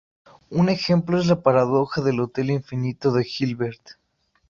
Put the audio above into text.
Un ejemplo es la paradoja del hotel infinito de Hilbert.